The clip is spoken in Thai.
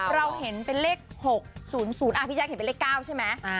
เราเห็นเป็นเลข๖๐๐พี่แจ๊คเห็นเป็นเลข๙ใช่ไหม